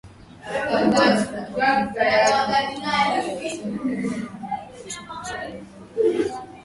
Valentine Rugwabiza katika mkutano wake alisema ameomba marekebisho kuhusu dhamira ya kikosi chetu